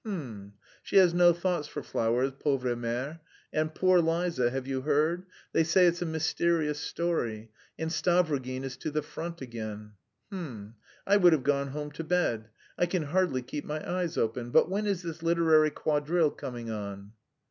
H'm! She has no thoughts for flowers, pauvre mère! And poor Liza! Have you heard? They say it's a mysterious story... and Stavrogin is to the front again.... H'm! I would have gone home to bed... I can hardly keep my eyes open. But when is this 'literary quadrille' coming on?"